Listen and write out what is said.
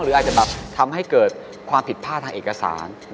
อาจจะแบบทำให้เกิดความผิดพลาดทางเอกสาร